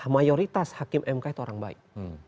mayoritas hakim mk itu orang baik